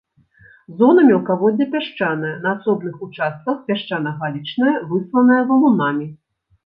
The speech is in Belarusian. Зона мелкаводдзя пясчаная, на асобных участках пясчана-галечная, высланая валунамі.